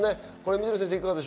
水野先生。